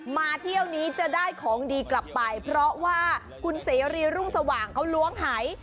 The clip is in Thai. มาเที่ยวนี้จะได้ของดีกลับไปเพราะว่าคุณเสรีรุ่งสว่างเขาล้วงหาย